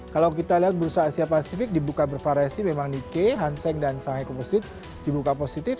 kalau kita lihat bursa asia pasifik dibuka bervariasi memang nike hanseng dan shanghai komposite dibuka positif